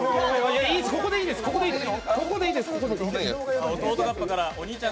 ここでいいです、ここでいいです。